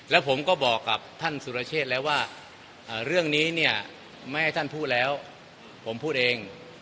แล้วผมก็บอกกับท่านสุรเชษแล้วว่าเรื่องนี้เนี่ยไม่ให้ท่านพูดแล้วผมพูดเอง